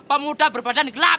pemuda berbadan gelap